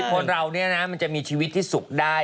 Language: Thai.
คนเรามันจะมีชีวิตที่สุขได้